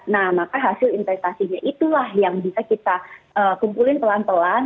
nah maka hasil investasinya itulah yang bisa kita kumpulin pelan pelan